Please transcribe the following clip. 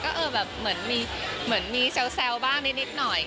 ก็เออแบบเหมือนมีแซวบ้างนิดหน่อย